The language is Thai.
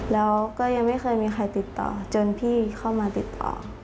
แล้วก็ยังไม่เคยมีใครติดต่อจนพี่เข้ามาติดต่อ